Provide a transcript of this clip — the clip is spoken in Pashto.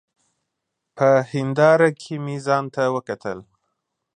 په هېنداره کي مي ځانته وکتل !